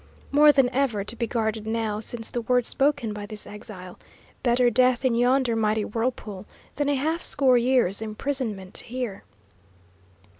More than ever to be guarded now, since the words spoken by this exile. Better death in yonder mighty whirlpool than a half score years' imprisonment here!